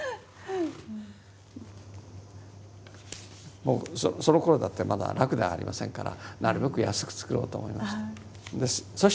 もうそのころだってまだ楽ではありませんからなるべく安く作ろうと思いました。